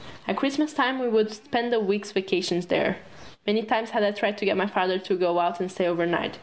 At Christmas time we would spend the week's vacation there. Many times had I tried to get my Father to go out and stay overnight.